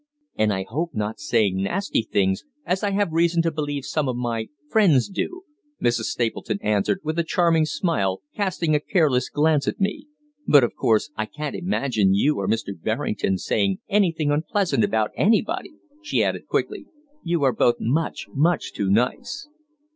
"And I hope not saying nasty things, as I have reason to believe some of my 'friends' do," Mrs. Stapleton answered, with a charming smile, casting a careless glance at me. "But, of course, I couldn't imagine you or Mr. Berrington saying anything unpleasant about anybody," she added quickly; "you are both much much too nice."